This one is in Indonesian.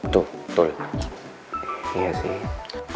tuh betul iya sih